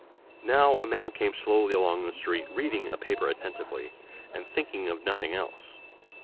Now a man came slowly along the street, reading a paper attentively, and thinking of nothing else.